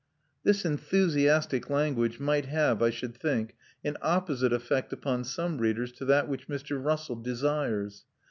This enthusiastic language might have, I should think, an opposite effect upon some readers to that which Mr. Russell desires.